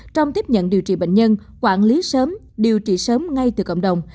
trong tiếp nhận điều trị bệnh nhân quản lý sớm điều trị sớm ngay từ cộng đồng